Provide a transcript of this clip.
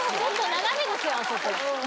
斜めですよあそこ。